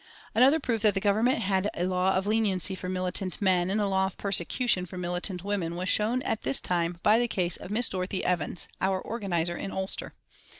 Another proof that the Government had a law of leniency for militant men and a law of persecution for militant women was shown at this time by the case of Miss Dorothy Evans, our organiser in Ulster.